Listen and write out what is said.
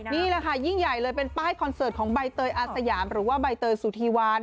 นี่แหละค่ะยิ่งใหญ่เลยเป็นป้ายคอนเสิร์ตของใบเตยอาสยามหรือว่าใบเตยสุธีวัน